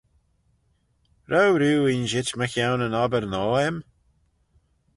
R'ou rieau inshit mychione yn obbyr noa aym?